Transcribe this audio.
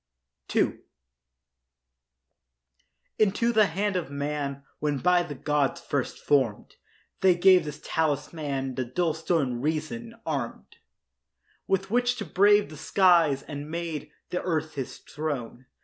II Into the hand of man, When by the gods first form'd, They gave this talisman, The dull stone Reason, arm'd With which to brave the skies And make the earth his throne.